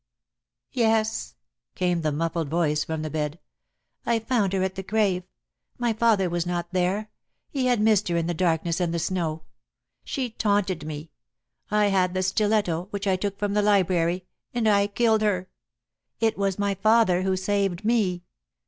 "Yes," came the muffled voice from the bed. "I found her at the grave. My father was not there. He had missed her in the darkness and the snow. She taunted me. I had the stiletto, which I took from the library, and I killed her. It was my father who saved me.